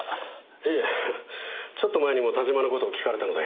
いえちょっと前にも田島の事を聞かれたので。